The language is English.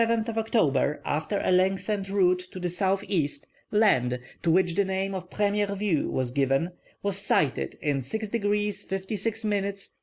] Upon the 7th of October, after a lengthened route to the south east, land, to which the name of "Prémiere Vue" was given, was sighted in 6 degrees 56 minutes S.